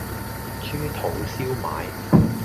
豬肚燒賣